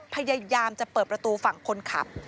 พยายามจะเปิดประตูฝั่งคนขับ